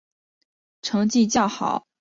成绩较好学生可自行加科至十科。